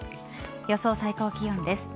予想最高気温です。